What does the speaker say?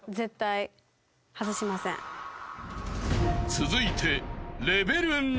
［続いて］